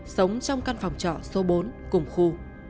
sống trong căn phòng trọ số bốn cùng khu